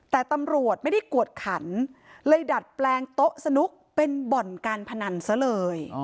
แต่ตำรวจไม่ได้กวดขันเลยดัดแปลงโต๊ะสนุกเป็นบ่อนการพนันซะเลย